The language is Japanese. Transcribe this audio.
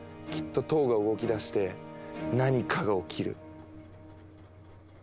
きっと塔が動きだして何かが起きる。